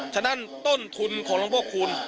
ฉะนั้นต้นทุนของหลวงพ่อคูณ